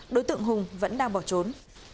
đối tượng hùng vẫn đang bỏ trốn